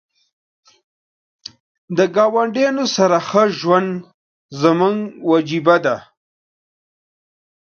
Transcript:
د ګاونډیانو سره ښه ژوند زموږ وجیبه ده .